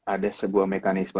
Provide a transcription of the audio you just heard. ada sebuah mekanisme